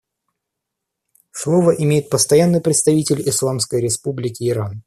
Слово имеет Постоянный представитель Исламской Республики Иран.